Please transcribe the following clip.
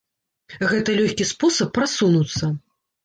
Гэта лёгкі спосаб прасунуцца.